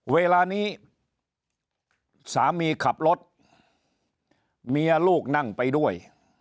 เวลานี้สามีขับรถเมียลูกนั่งไปด้วย